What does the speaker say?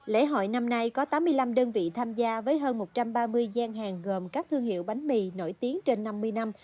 lễ hội năm nay có tám mươi năm đơn vị tham gia với hơn một trăm ba mươi gian hàng gồm các thương hiệu bánh mì nổi tiếng trên năm mươi năm